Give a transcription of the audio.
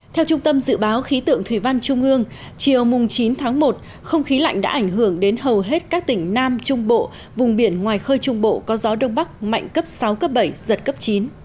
theo trung tâm dự báo khí tượng thủy văn trung ương chiều chín tháng một không khí lạnh đã ảnh hưởng đến hầu hết các tỉnh nam trung bộ vùng biển ngoài khơi trung bộ có gió đông bắc mạnh cấp sáu cấp bảy giật cấp chín